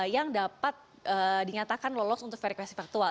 yang dapat dinyatakan lolos untuk verifikasi faktual